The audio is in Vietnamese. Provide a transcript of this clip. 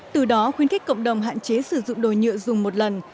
từ đó khuyến khích cộng đồng hạn chế sử dụng đồ nhựa dùng một lần